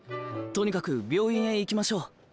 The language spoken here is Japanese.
とにかく病院へ行きましょう。